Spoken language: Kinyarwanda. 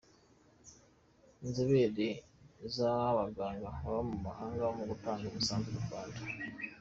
Inzobere z’Abaganga baba mu mahanga mu gutanga umusanzu mu Rwanda